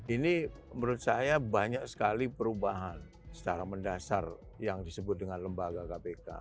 ini menurut saya banyak sekali perubahan secara mendasar yang disebut dengan lembaga kpk